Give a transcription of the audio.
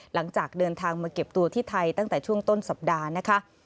หลังจากเดินทางมาเก็บตัวที่ไทยตั้งแต่ช่วงต้นสัปดาห์นะคะ